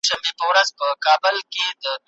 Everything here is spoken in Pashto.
مېږي او وزې يې وسکوستلې.